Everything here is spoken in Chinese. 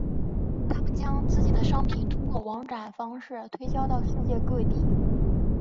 他们将自己的商品通过网展方式推销到世界各地。